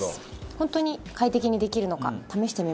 本当に快適にできるのか試してみましょう。